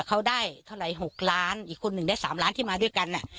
เขาได้เท่าไหร่๖ล้านอีกคนหนึ่งได้๓ล้านที่มาด้วยกัน